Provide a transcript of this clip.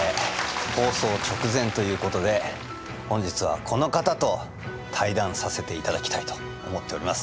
放送直前ということで本日はこの方と対談させていただきたいと思っております。